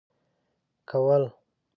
كول.